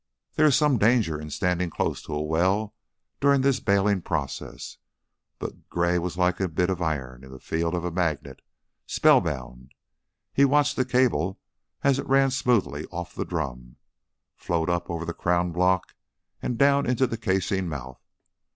There is some danger in standing close to a well during this bailing process, but Gray was like a bit of iron in the field of a magnet; spellbound, he watched the cable as it ran smoothly off the drum, flowed up over the crown block and down into the casing mouth.